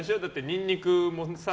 ニンニクもさ。